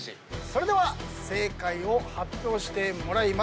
それでは正解を発表してもらいます。